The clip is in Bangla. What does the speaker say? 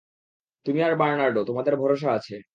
তুমি আর বার্নার্ডো, তোমাদের ভরসা আছে।